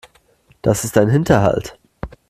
Das ist ein Hinterhalt.